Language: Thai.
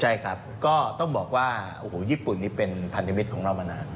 ใช่ครับก็ต้องบอกว่าโอ้โหญี่ปุ่นนี้เป็นพันธมิตรของเรามานาน